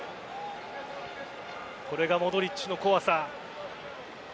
これがモドリッチの怖さ。